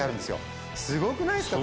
すごくないですか？